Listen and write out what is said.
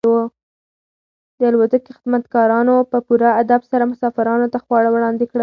د الوتکې خدمتګارانو په پوره ادب سره مسافرانو ته خواړه وړاندې کړل.